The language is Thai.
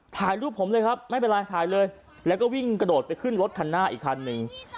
ถ่ายรูปผมเลยครับไม่เป็นไรถ่ายเลยแล้วก็วิ่งกระโดดไปขึ้นรถคันหน้าอีกคันหนึ่ง